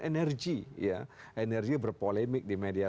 energi ya energi berpolemik di media